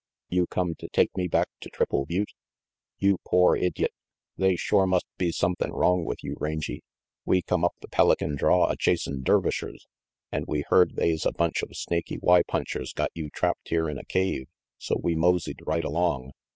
You come to take me back to Triple Butte?" "You pore idyot. They shore must be sumthin' wrong with you, Rangy. We come up the Pelican draw a chasin' Dervishers, an' we heard they's a bunch of Snaky Y punchers got you trapped here in a cave, so we moseyed right along.